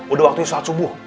udah waktunya sholat subuh